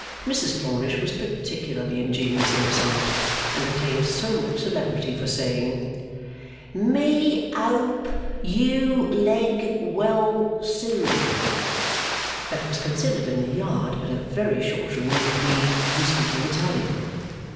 Mrs Plornish was particularly ingenious in this art; and attained so much celebrity for saying 'Me ope you leg well soon,' that it was considered in the Yard but a very short remove indeed from speaking Italian.